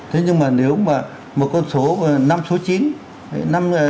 thế nhưng mà nếu mà một con số năm số chín